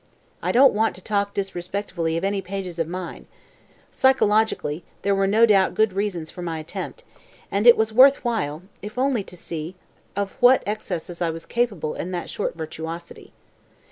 I dont want to talk disrespectfully of any pages of mine. Psychologically there were no doubt good reasons for my attempt; and it was worth while, if only to see of what excesses I was capable in that sort of virtuosity.